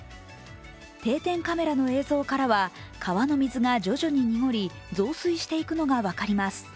定点カメラを映像からは、川の水が徐々に濁り増水していくのが分かります。